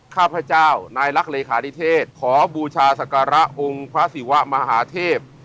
ข้าพเจ้านายรักเลขานิเทศขอบูชาศักระองค์พระศิวะมหาเทพ